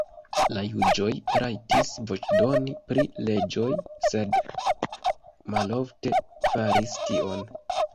La juĝoj rajtis voĉdoni pri leĝoj, sed malofte faris tion.